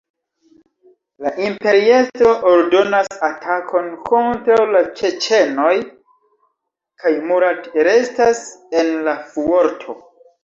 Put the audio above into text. La imperiestro ordonas atakon kontraŭ la ĉeĉenoj, kaj Murat restas en la fuorto.